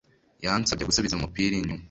Yansabye gusubiza umupira inyuma